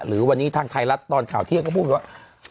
หรือวันนี้ทางไทยรัฐตอนข่าวเที่ยงก็พูดว่า